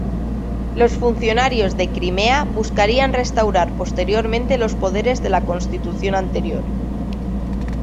Los funcionarios de Crimea buscarían restaurar posteriormente los poderes de la Constitución anterior.